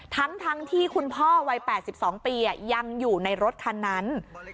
ทั้งที่คุณพ่อวัย๘๒ปียังอยู่ในรถคันนั้น